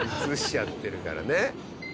映しちゃってるからね。